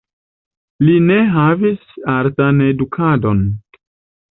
Li ne havis artan edukadon.